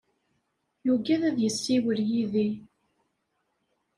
Yugad ad yessiwel yid-i.